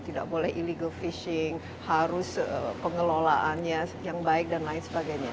tidak boleh illegal fishing harus pengelolaannya yang baik baik saja